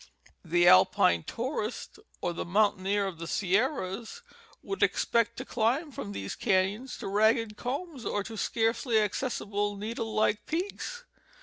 The Alpine tourist or the mountaineer of the Sierras would ex pect to climb from these caiions to ragged combs or to scarcely accessible needle like peaks.